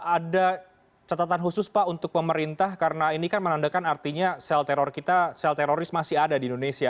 ada catatan khusus pak untuk pemerintah karena ini kan menandakan artinya sel teror kita sel teroris masih ada di indonesia